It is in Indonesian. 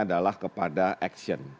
adalah kepada action